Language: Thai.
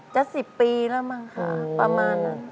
จะ๑๐ปีแล้วมั้งค่ะประมาณนั้น